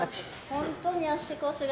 本当に足腰が。